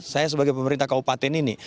saya sebagai pemerintah kabupaten ini